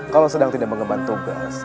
kalau sedang tidak mengembang tugas